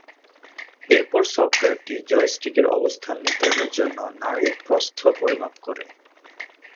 এরপর সফটওয়্যারটি জয়স্টিকের অবস্থান নির্ধারণের জন্য নাড়ীর প্রস্থ পরিমাপ করে।